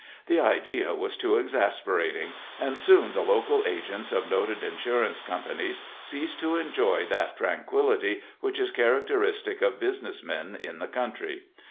The idea was too exasperating, and soon the local agents of noted insurance companies ceased to enjoy that tranquility which is characteristic of business men in the country.